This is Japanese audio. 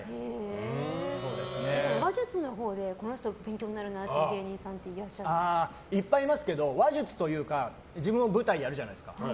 話術のほうで、この人勉強になるなっていう芸人さんいっぱいいますけど話術というか自分の舞台やるじゃないですか。